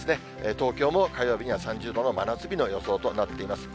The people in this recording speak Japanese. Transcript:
東京も火曜日には３０度の真夏日の予想となっています。